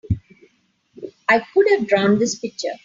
I could have drawn this picture!